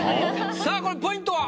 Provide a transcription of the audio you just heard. さあこれポイントは？